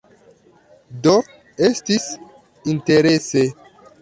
Do, estis interese